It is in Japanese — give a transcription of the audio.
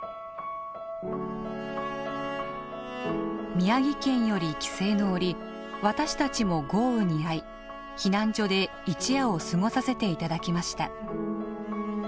「宮城県より帰省の折私達も豪雨にあい避難所で一夜を過ごさせていただきました。